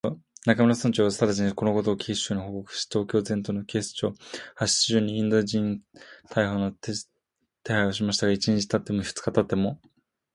中村係長はただちに、このことを警視庁に報告し、東京全都の警察署、派出所にインド人逮捕の手配をしましたが、一日たち二日たっても、